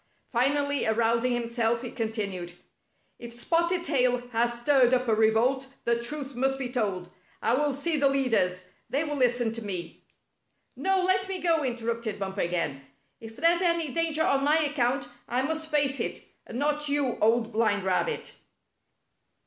Finally arousing himself, he continued: " If Spotted Tail has stirred up a revolt, the truth must be told. I will see the leaders. They will listen to me." "No, let me go!" interrupted Bumper again. "If there's any danger on my account, I must face it, and not you. Old Blind Rabbit."